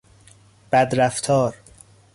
بدرفتار